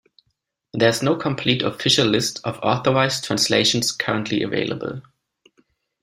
There is no complete official list of authorised translations currently available.